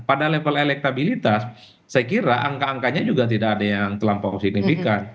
pada level elektabilitas saya kira angka angkanya juga tidak ada yang terlampau signifikan